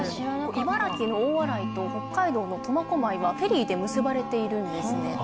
茨城の大洗と北海道の苫小牧はフェリーで結ばれているんですね。